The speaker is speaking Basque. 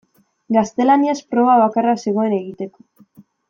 Gaztelaniaz proba bakarra zegoen egiteko.